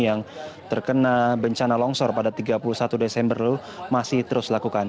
yang terkena bencana longsor pada tiga puluh satu desember lalu masih terus dilakukan